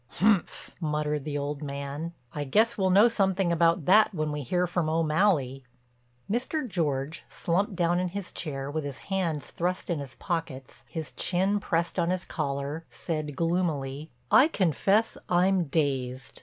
"Umph!" muttered the old man. "I guess we'll know something about that when we hear from O'Malley." Mr. George, slumped down in his chair, with his hands thrust in his pockets, his chin pressed on his collar, said gloomily: "I confess I'm dazed.